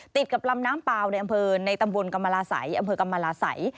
ติดกับลำน้ำเปล่าในอำเภอในตำรวจกำมาลาสัย